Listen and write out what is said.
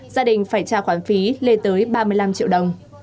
gia đình phải trả khoản phí lên tới ba mươi năm triệu đồng